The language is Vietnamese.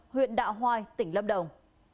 huyện đạo hoài tỉnh lâm đồng